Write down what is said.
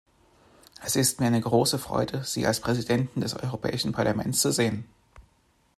Es ist mir eine große Freude, Sie als Präsidenten des Europäischen Parlaments zu sehen.